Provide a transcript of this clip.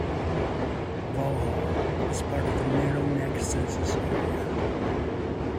Vauxhall is part of the Narrow Neck census area.